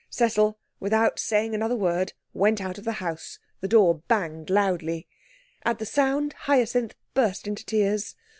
Cecil, without saying another word, went out of the house. The door banged loudly. At the sound Hyacinth burst into tears.